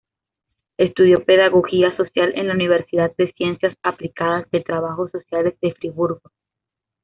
Estudió pedagogía social en la Universidad de Ciencias Aplicadas de Trabajos Sociales de Friburgo.